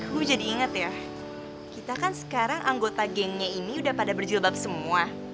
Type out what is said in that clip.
bu jadi ingat ya kita kan sekarang anggota gengnya ini udah pada berjilbab semua